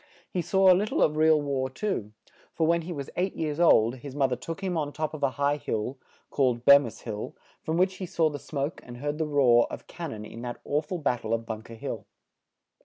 He saw a lit tle of real war, too; for when he was eight years old, his moth er took him on top of a high hill, called Be mis Hill, from which he saw the smoke and heard the roar of can non in that aw ful bat tle of Bunk er Hill.